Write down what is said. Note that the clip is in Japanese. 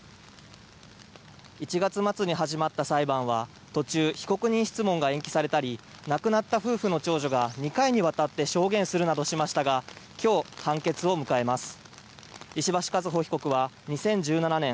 １月末に始まった裁判は途中、被告人質問が延期されたり亡くなった夫婦の長女が２回にわたって証言するなどしましたが今日、判決を迎えます。